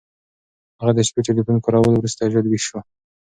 هغه د شپې ټیلیفون کارولو وروسته ژر ویښ شو.